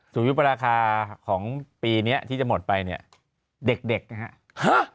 ยุปราคาของปีนี้ที่จะหมดไปเนี่ยเด็กนะฮะ